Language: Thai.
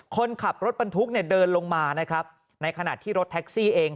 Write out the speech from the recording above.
คนขับรถบรรทุกเนี่ยเดินลงมานะครับในขณะที่รถแท็กซี่เอง